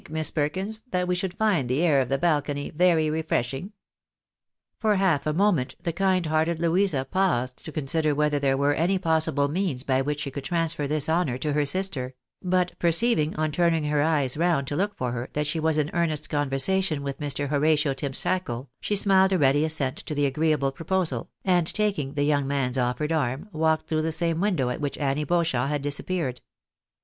Miss Perkins, that we should find the air of the balcony very refreshing ?" For half a moment the kind hearted Louisa paused to consider whether there were any possible means by which she could transfer this honour to her sister ; but perceiving, on turning her eyes round to look for her, that she was in earnest conversation with Mr. Horatio Timmsthackle, she smiled a ready assent to the agreeable proposal, and taking the young man's offered arm, walked through the same window at which Annie Beauchamp had disappeared.